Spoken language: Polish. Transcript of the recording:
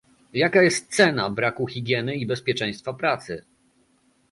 Jaka jest cena braku higieny i bezpieczeństwa pracy?